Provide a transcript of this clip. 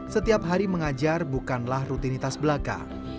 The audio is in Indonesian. setiap hari mengajar bukanlah rutinitas belaka